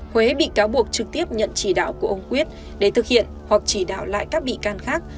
huế bị cáo buộc trực tiếp nhận chỉ đạo của ông quyết để thực hiện hoặc chỉ đạo lại các bị can khác